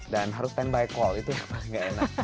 dan harus standby call itu yang paling gak enak